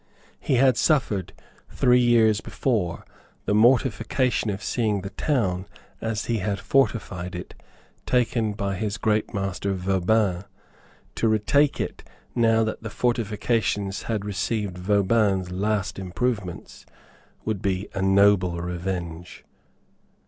He had suffered, three years before, the mortification of seeing the town, as he had fortified it, taken by his great master Vauban. To retake it, now that the fortifications had received Vauban's last improvements, would be a noble revenge.